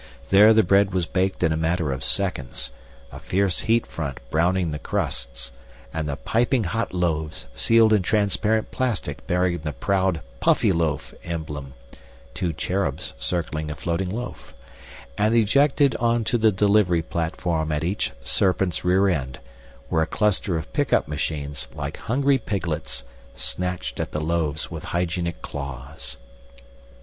There the bread was baked in a matter of seconds, a fierce heat front browning the crusts, and the piping hot loaves sealed in transparent plastic bearing the proud Puffyloaf emblem (two cherubs circling a floating loaf) and ejected onto the delivery platform at each serpent's rear end, where a cluster of pickup machines, like hungry piglets, snatched at the loaves with hygienic claws.